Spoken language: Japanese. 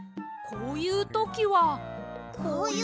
こういうときは？